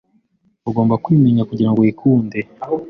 Ugomba kwimenya kugirango wikunde,